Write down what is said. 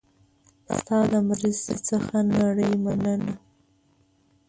ستا د مرستې څخه نړۍ مننه